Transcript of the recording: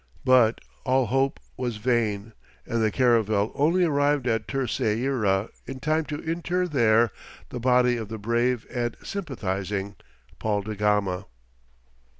But all hope was vain, and the caravel only arrived at Terceira in time to inter there the body of the brave and sympathizing Paul da Gama.